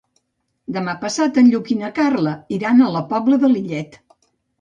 Demà passat en Lluc i na Carla iran a la Pobla de Lillet.